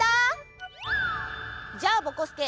じゃあぼこすけ